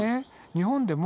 日本でも？